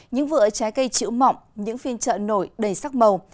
những vựa trái cây chữ mọng những phiên trợ nổi đầy sắc màu